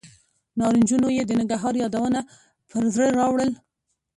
نارنجونو یې د ننګرهار یادونه پر زړه راورول.